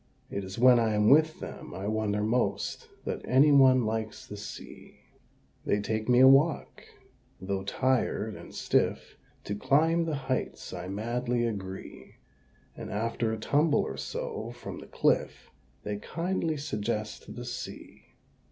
It is when I am with them I wonder most That any one likes the Sea. They take me a walk: though tired and stiff, To climb the heights I madly agree; And, after a tumble or so from the cliff, They kindly suggest the Sea.